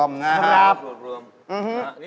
ราคารวดรวม